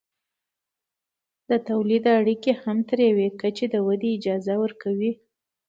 د تولید اړیکې هم تر یوې کچې د ودې اجازه ورکوي.